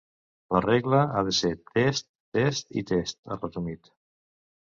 La regla ha de ser test, test i test, ha resumit.